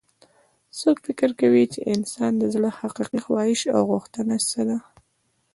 څوک فکر کوي چې د انسان د زړه حقیقي خواهش او غوښتنه څه ده